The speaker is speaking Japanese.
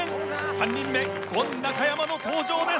３人目ゴン中山の登場です。